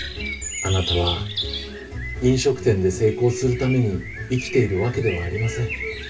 あなたは飲食店で成功するために生きているわけではありません。